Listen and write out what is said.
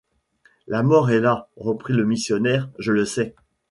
La mort est là, reprit le missionnaire, je le sais!